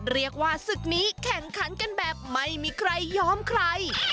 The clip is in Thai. เรียกว่าศึกนี้แข่งขันกันแบบไม่มีใครยอมใคร